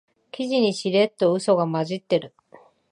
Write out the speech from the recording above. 記事にしれっとウソが混じってる